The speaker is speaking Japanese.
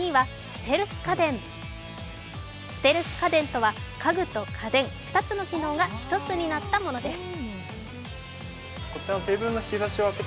ステルス家電とは家具と家電、２つの機能が１つになったものです。